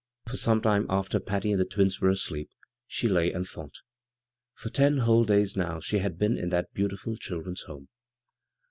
For some time after Patty and the twins were adeep she lay and thought For ten whole days now she had been in that beautiful children's home.